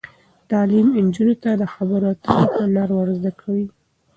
تعلیم نجونو ته د خبرو اترو هنر ور زده کوي.